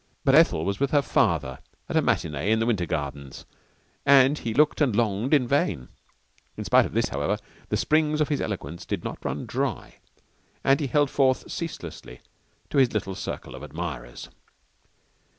But Ethel was with her father at a matinée at the Winter Gardens and he looked and longed in vain. In spite of this, however, the springs of his eloquence did not run dry, and he held forth ceaselessly to his little circle of admirers.